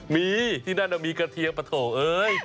มีที่นั่นมีกระเทียมปะโถเอ้ย